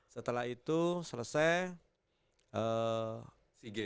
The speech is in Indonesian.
setelah itu selesai